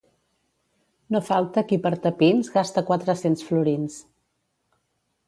No falta qui per tapins gasta quatre-cents florins.